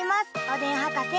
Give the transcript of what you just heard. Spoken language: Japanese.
おでんはかせ。